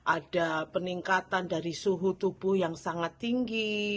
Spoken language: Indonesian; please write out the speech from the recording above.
ada peningkatan dari suhu tubuh yang sangat tinggi